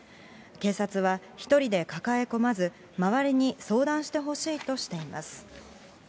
警察は、一人で抱え込まず、周りに相談してほしいとしています。